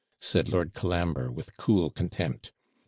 said Lord Colambre, with cool contempt.